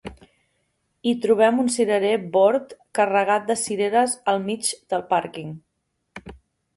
I trobem un cirerer bord carregat de cireres al mig del pàrquing